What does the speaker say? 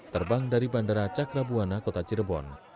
terbang dari bandara cakrabuana kota cirebon